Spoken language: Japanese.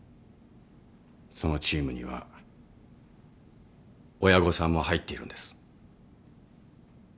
そのチームには親御さんも入っているんです。